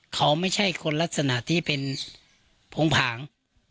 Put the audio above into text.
เขาไม่ใช่คนลักษณะที่เป็นผงผาง